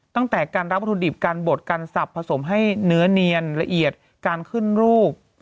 ตั้งแต่การรับวัตถุดิบการบดการสับผสมให้เนื้อเนียนละเอียดการขึ้นรูป